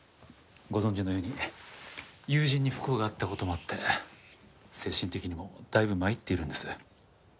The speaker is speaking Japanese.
ご存じのように友人に不幸があった事もあって精神的にもだいぶ参っているんです。